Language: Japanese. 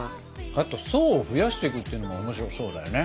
あと層を増やしていくっていうのもおもしろそうだよね。